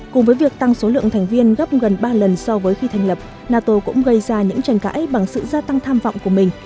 cùng với việc tăng số lượng thành viên gấp gần ba lần so với khi thành lập nato cũng gây ra những tranh cãi bằng sự gia tăng tham vọng của mình